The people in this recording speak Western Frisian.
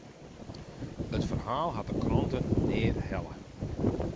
It ferhaal hat de krante nea helle.